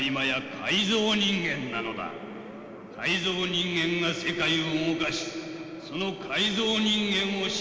改造人間が世界を動かしその改造人間を支配するのが私だ。